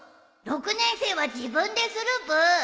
６年生は自分でするブー